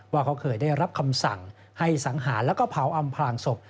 ว่าเขาเคยได้รับคำสั่งให้สังหารแล้วก็เผาอำพลางศพ